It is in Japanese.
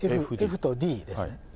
ＦとＤですね。